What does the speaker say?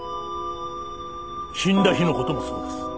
死んだ日の事もそうです。